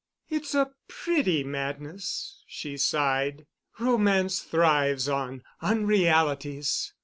"It's a pretty madness," she sighed. "Romance thrives on unrealities.